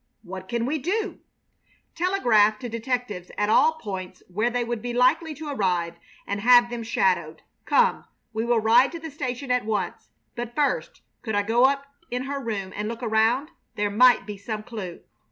"What can we do?" "Telegraph to detectives at all points where they would be likely to arrive and have them shadowed. Come, we will ride to the station at once; but, first, could I go up in her room and look around? There might be some clue."